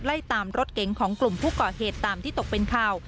ไล่ตามรถเก๋งของกลุ่มผู้ก่อเหตุตามที่ตกเป็นข่าว